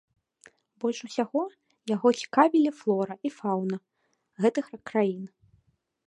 Больш усяго яго цікавілі флора і фаўна гэтых краін.